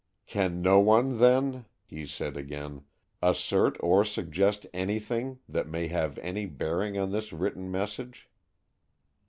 "Can no one, then," he said again, "assert or suggest anything that may have any bearing on this written message?"